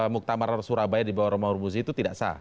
muktamar surabaya di bawah rumah urbuzi itu tidak sah